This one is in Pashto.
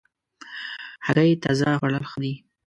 هګۍ تازه خوړل ښه دي.